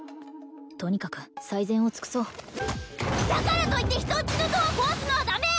とにかく最善を尽くそうだからといって人んちのドア壊すのはダメ！